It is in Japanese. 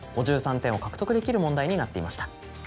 ５３点を獲得できる問題になっていました。